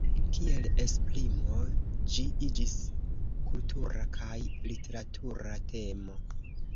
Kiel esprimo ĝi iĝis kultura kaj literatura temo.